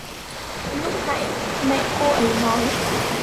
Lúc nãy mẹ cô ấy nói